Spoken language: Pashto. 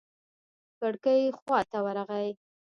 کړکۍ خوا ته ورغى.